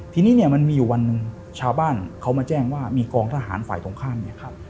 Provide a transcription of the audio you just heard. ทีนี้เนี่ยมันมีอยู่วันหนึ่งชาวบ้านเขามาแจ้งว่ามีกองทหารฝ่ายตรงข้ามเนี่ย